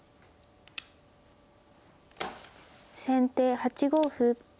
先手８五歩。